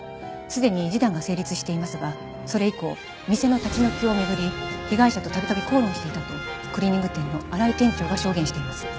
すでに示談が成立していますがそれ以降店の立ち退きを巡り被害者と度々口論していたとクリーニング店の洗井店長が証言しています。